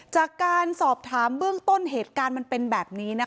จากการสอบถามเบื้องต้นเหตุการณ์มันเป็นแบบนี้นะคะ